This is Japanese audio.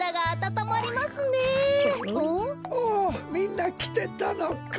おおみんなきてたのか。